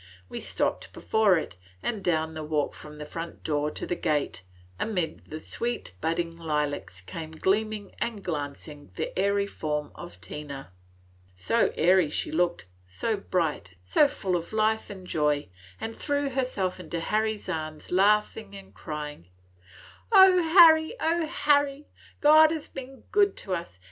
We stopped before it, and down the walk from the front door to the gate, amid the sweet budding lilacs came gleaming and glancing the airy form of Tina. So airy she looked, so bright, so full of life and joy, and threw herself into Harry's arms, laughing and crying. "O Harry, Harry! God has been good to us!